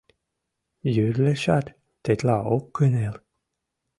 — Йӧрлешат, тетла ок кынел...